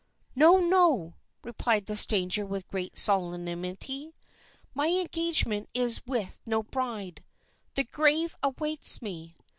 "No! No!" replied the stranger with greater solemnity. "My engagement is with no bride. The grave awaits me!